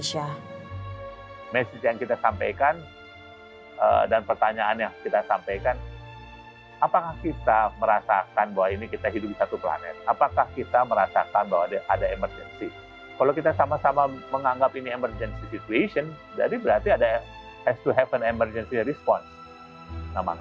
jadi kita tidak memiliki banyak pekerja kesehatan yang bisa menjawab